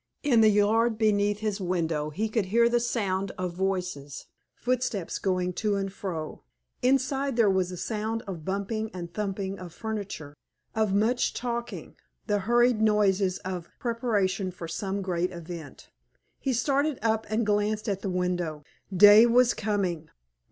In the yard beneath his window he could hear the sound of voices, footsteps going to and fro. Inside there was the sound of bumping and thumping of furniture, of much talking, the hurried noises of preparation for some great event. He started up and glanced at the window. Day was coming!